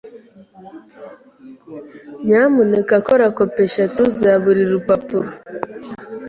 Nyamuneka kora kopi eshatu za buri rupapuro.